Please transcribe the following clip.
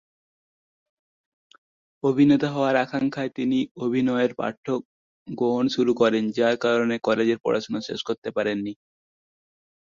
অভিনেতা হওয়ার আকাঙ্ক্ষায় তিনি অভিনয়ের পাঠ্য গ্রহণ শুরু করেন যার কারণে কলেজের পড়াশোনা শেষ করতে পারেননি।